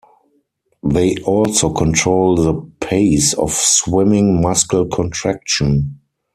They also control the pace of swimming-muscle contraction.